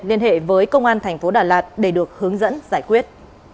liên hệ với công an tp đà lạt để được hướng dẫn giải quyết